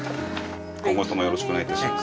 今後ともよろしくお願いいたします。